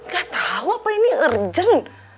gak tahu apa ini urgent